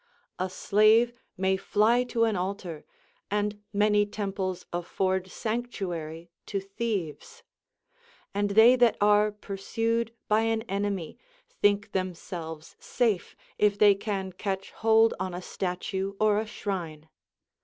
A slave may fly to an altar, and many temples aflford sanctuary to thieves ; and they that are pursued by an enemy think themselves safe if they can catch hold on a statue or a shrine.